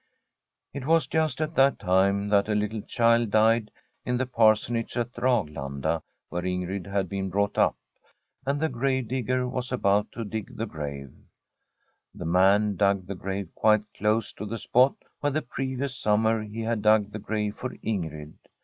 It was just at that time that a little child died at the Parsonage at Raglanda where Ingrid had [loi] X From a SfTEDJSH HOMESTEAD been brought up; and the grave digger was about to dig the grave. The man dug the grave quite close to the spot where the previous summer he had dug the Save for Ingrid.